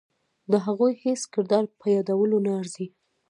د هغوی هیڅ کردار په یادولو نه ارزي.